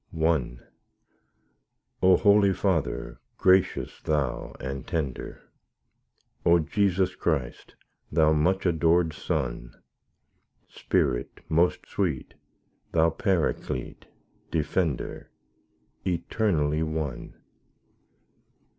I O Holy Father, gracious Thou and tender; O Jesus Christ, Thou much adorèd Son; Spirit most sweet, Thou Paraclete, Defender, Eternally one!